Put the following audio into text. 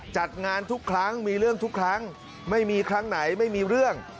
จัดงานทุกครั้งมีเรื่องทุกครั้งไม่มีครั้งไหนไม่มีเรื่อง